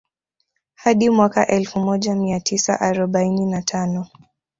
Hadi mwaka Elfu moja mia tisa arobaini na tano